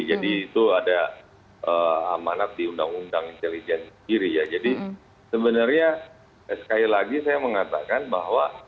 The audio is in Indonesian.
itu ada amanat di undang undang intelijen sendiri ya jadi sebenarnya sekali lagi saya mengatakan bahwa